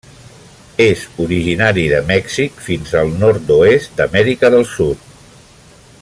És originari de Mèxic fins al nord-oest d'Amèrica del Sud.